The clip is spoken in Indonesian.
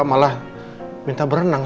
malah minta berenang